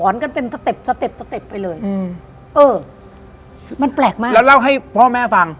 แล้วเล่าให้พ่อแม่ฟัง